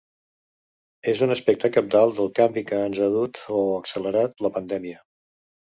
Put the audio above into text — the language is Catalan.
És un aspecte cabdal del canvi que ens ha dut –o accelerat– la pandèmia.